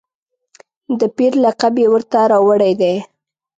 د پیر لقب یې ورته راوړی دی.